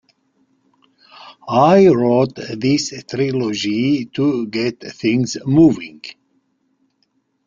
I wrote this trilogy to get things moving.